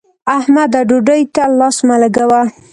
احمده! ډوډۍ ته لاس مه لګوه.